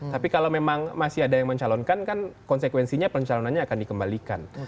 tapi kalau memang masih ada yang mencalonkan kan konsekuensinya pencalonannya akan dikembalikan